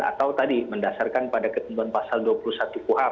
atau tadi mendasarkan pada ketentuan pasal dua puluh satu kuhap